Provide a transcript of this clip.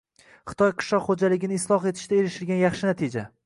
Xitoy qishloq xo‘jaligini isloh etishda erishilgan yaxshi natija